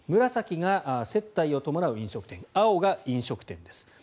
紫が接待を伴う飲食店青が飲食店です。